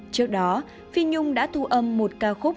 trước đó phi nhung đã thu âm một ca khúc